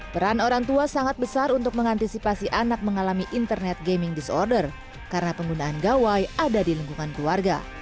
peran orang tua sangat besar untuk mengantisipasi anak mengalami internet gaming disorder karena penggunaan gawai ada di lingkungan keluarga